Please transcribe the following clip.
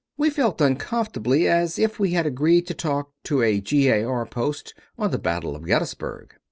We felt uncomfortably as if we had agreed to talk to a G. A. R. Post on the Battle of Gettysburg.